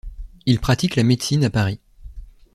Il pratique la médecine à Paris.